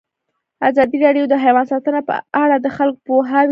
ازادي راډیو د حیوان ساتنه په اړه د خلکو پوهاوی زیات کړی.